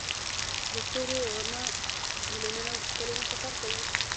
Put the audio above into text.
د ستورو رڼا میلیونونه کلونه سفر کوي.